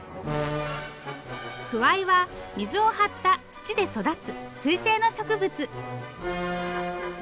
くわいは水を張った土で育つ水生の植物。